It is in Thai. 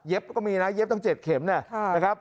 ก็มีนะเย็บตั้ง๗เข็มนะครับ